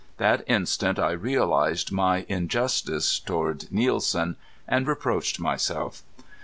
That instant I realized my injustice toward Nielsen, and reproached myself.